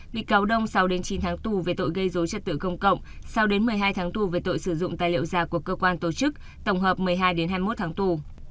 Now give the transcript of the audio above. bị cáo đông sáu chín tháng tù về tội gây dối trật tự công cộng sau một mươi hai tháng tù về tội sử dụng tài liệu giả của cơ quan tổ chức tổng hợp một mươi hai hai mươi một tháng tù